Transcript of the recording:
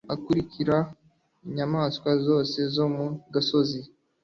akuhira inyamaswa zose zo mu gasozi